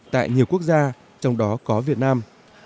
tại nhiều quốc gia trong đó có việt nam